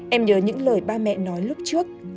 em nhớ những lời ba mẹ nói lúc trước